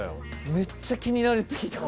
めっちゃ気になって来た。